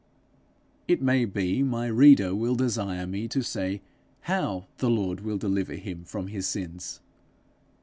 It may be my reader will desire me to say how the Lord will deliver him from his sins.